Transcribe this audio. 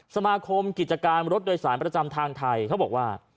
สมาคมกิจการรถโดยสารประจำทางไทยเขาบอกว่า